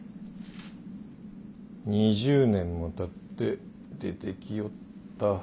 ２０年もたって出てきよった。